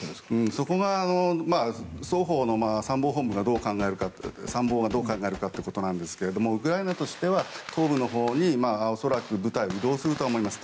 そこが、双方の参謀がどう考えるかってことなんですがウクライナとしては東部のほうに恐らく部隊を移動すると思います。